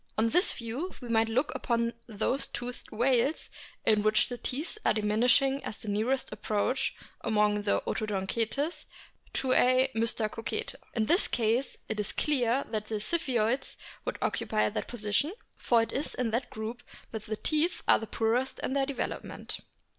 On this view we might look upon those toothed whales in which the teeth are diminishing as the nearest approach among the Odontocetes to a Mystacocete. In this case it is clear that the Ziphioids would occupy that position, for it is in that group that the teeth are poorest in their development.